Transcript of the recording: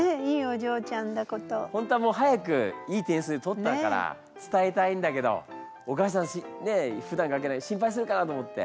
本当はもう早くいい点数取ったから伝えたいんだけどお母さんにふだんかけない心配するかなと思って。